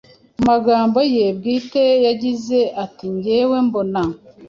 Mu magambo ye bwite yagize ati:“Njyewe mbona